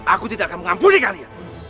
aku tidak akan mengampuni kalian